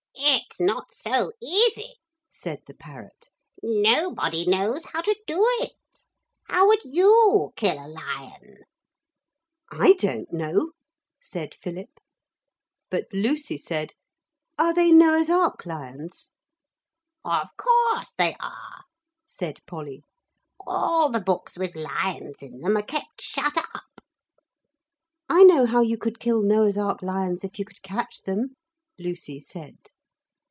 'It's not so easy,' said the parrot; 'nobody knows how to do it. How would you kill a lion?' 'I don't know,' said Philip; but Lucy said, 'Are they Noah's Ark lions?' 'Of course they are,' said Polly; 'all the books with lions in them are kept shut up.' 'I know how you could kill Noah's Ark lions if you could catch them,' Lucy said.